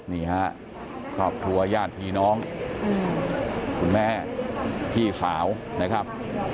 นี่ฮะครอบครัวญาติพี่น้องคุณแม่พี่สาวนะครับ